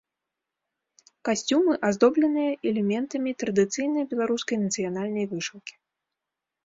Касцюмы аздобленыя элементамі традыцыйнай беларускай нацыянальнай вышыўкі.